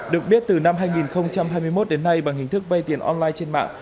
được biết từ năm hai nghìn hai mươi một đến nay bằng hình thức vay tiền online trên mạng